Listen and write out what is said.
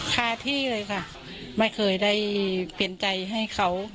คาที่เลยค่ะไม่เคยได้เปลี่ยนใจให้เขา